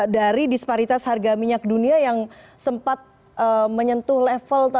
dari disparitas harga minyak dunia yang sempat menyentuh level